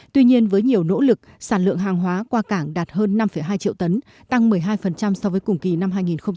tuy nhiên với nhiều nỗ lực sản lượng hàng hóa qua cảng đạt hơn năm hai triệu tấn tăng một mươi hai so với cùng kỳ năm hai nghìn một mươi chín